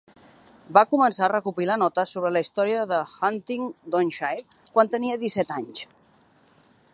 Va començar a recopilar notes sobre la història de Huntingdonshire quan tenia disset anys.